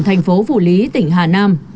thành phố phủ lý tỉnh hà nam